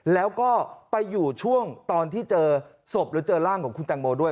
แล้วก็ไปอยู่ช่วงตอนที่เจอศพหรือเจอร่างของคุณแตงโมด้วย